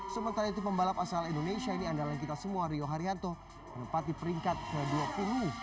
sementara itu pembalap asal indonesia ini andalan kita semua rio haryanto menempati peringkat ke dua puluh